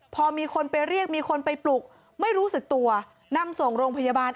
พอมีคนไปเรียกมีคนไปปลุกไม่รู้สึกตัวนำส่งโรงพยาบาล